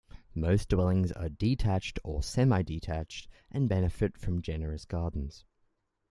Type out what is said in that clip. Most dwellings are detached or semi-detached and benefit from generous gardens.